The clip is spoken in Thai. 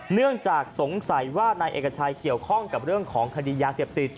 เนื่องจากสงสัยว่านายเอกชัยเกี่ยวข้องกับเรื่องของคดียาเสพติด